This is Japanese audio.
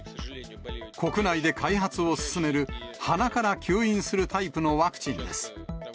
国内で開発を進める鼻から吸引するタイプのワクチンです。